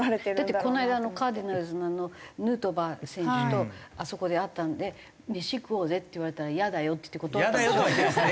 だってこの間カージナルスのヌートバー選手とあそこで会ったんで「飯食おうぜ」って言われたら「イヤだよ」って断ったんでしょ？